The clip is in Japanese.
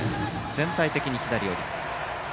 全体的に左寄り。